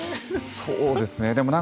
そうですね。